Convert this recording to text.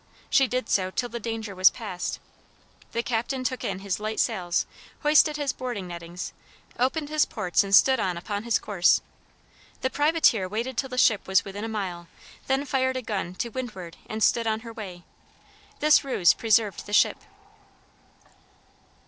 She did so till the danger was past. The captain took in his light sails, hoisted his boarding nettings, opened his ports, and stood on upon his course. The privateer waited till the ship was within a mile, then fired a gun to windward, and stood on her way. This ruse preserved the ship.